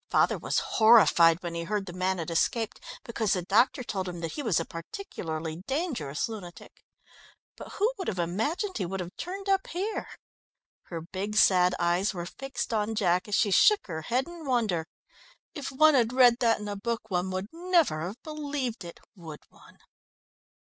Father was horrified when he heard the man had escaped, because the doctor told him that he was a particularly dangerous lunatic. But who would have imagined he would have turned up here?" Her big, sad eyes were fixed on Jack as she shook her head in wonder. "If one had read that in a book one would never have believed it, would one?"